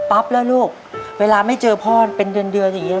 แล้วลูกเวลาไม่เจอพ่อเป็นเดือนเดือนอย่างนี้